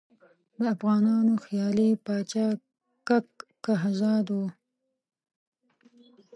د افغانانو خیالي پاچا کک کهزاد وو.